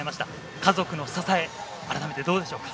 家族の支え、改めてどうでしょうか。